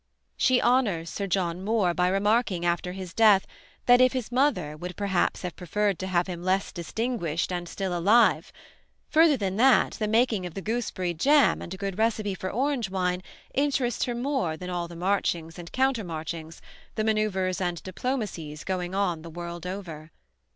She honors Sir John Moore by remarking after his death that his mother would perhaps have preferred to have him less distinguished and still alive; further than that, the making of the gooseberry jam and a good recipe for orange wine interests her more than all the marchings and countermarchings, the manoeuvres and diplomacies, going on the world over.